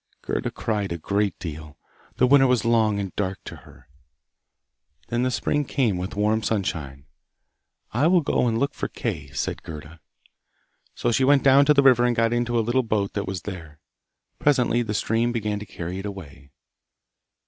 Gerda cried a great deal. The winter was long and dark to her. Then the spring came with warm sunshine. 'I will go and look for Kay,' said Gerda. So she went down to the river and got into a little boat that was there. Presently the stream began to carry it away.